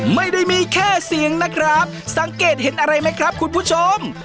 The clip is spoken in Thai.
ไม่ได้มีแค่เสียงนะครับสังเกตเห็นอะไรไหมครับคุณผู้ชม